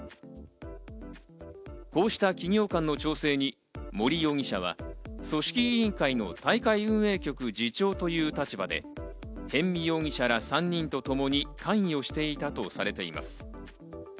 こうした企業間の調整に森容疑者は組織委員会の大会運営局次長という立場で、逸見容疑者ら３人とともに関与していたとされています。